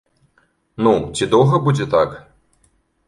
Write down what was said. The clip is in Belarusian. Ну, ці доўга будзе так?!